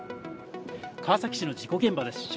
川崎市の事故現場です。